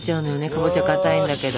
かぼちゃかたいんだけど。